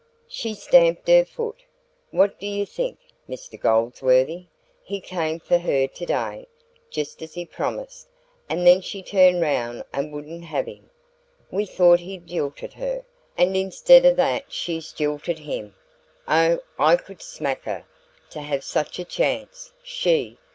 She stamped her foot. "What do you think, Mr Goldsworthy? he came for her today, just as he promised, and then she turned round and wouldn't have him! We thought he'd jilted her, and instead of that she's jilted him. Oh, I could smack her! To have such a chance SHE!